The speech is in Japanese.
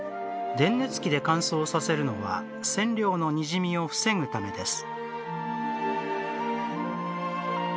電熱器で乾燥させるのは染料のにじみを防ぐためです。